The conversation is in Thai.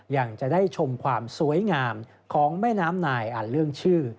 ยังจะได้ชมความสวยงามของแม่น้ำนายอันเรื่องชื่อ